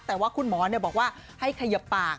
แต่ว่าคุณหมอบอกว่าให้ขยับปาก